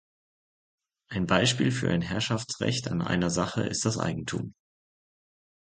Ein Beispiel für ein Herrschaftsrecht an einer Sache ist das Eigentum.